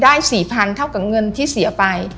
๔๐๐๐เท่ากับเงินที่เสียไป